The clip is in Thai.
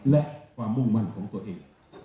และความมุ่งมั่นของตัวเอง